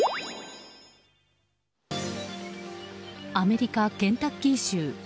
アメリカ・ケンタッキー州。